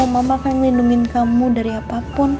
mama yang melindungi kamu dari apapun